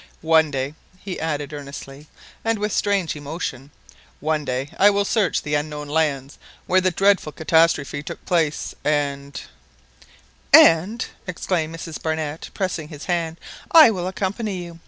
One day," be added earnestly, and with strange emotion—" one day I will search the unknown lands where the dreadful catastrophe took place, and— " "And," exclaimed Mrs Barnett, pressing his hand, "I will accompany you.